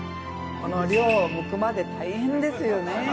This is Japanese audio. この量剥くまで大変ですよね。